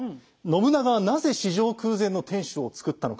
信長はなぜ史上空前の天主をつくったのか。